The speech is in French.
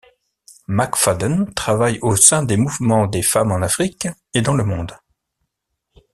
McFadden travaille au sein des mouvements des femmes en Afrique et dans le monde.